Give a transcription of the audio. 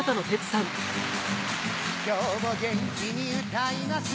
今日も元気に歌います